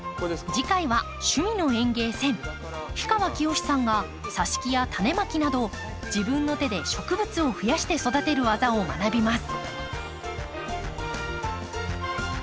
氷川きよしさんが挿し木やタネまきなど自分の手で植物を増やして育てる技を学びます。